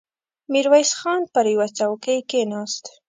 ميرويس خان پر يوه څوکۍ کېناست.